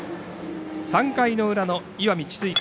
３回の裏の石見智翠館。